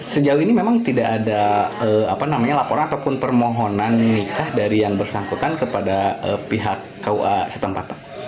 sejauh ini memang tidak ada laporan ataupun permohonan nikah dari yang bersangkutan kepada pihak kua setempat pak